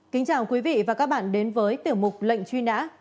kính chào quý vị và các bạn đến với tiểu mục lệnh truy nã